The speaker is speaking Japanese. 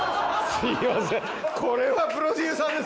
すみません。